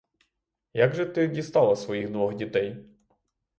Як же ти дістала своїх двох дітей?